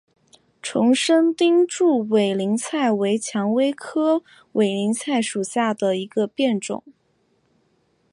丛生钉柱委陵菜为蔷薇科委陵菜属下的一个变种。